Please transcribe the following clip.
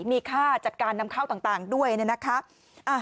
มีค่าจัดการนำเข้าต่างด้วยนะครับ